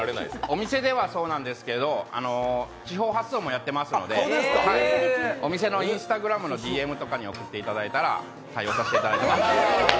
お店ではそうなんですけど、地方発送もやっていますのでお店のＩｎｓｔａｇｒａｍのＤＭとかに送っていただいたら対応させていただきます。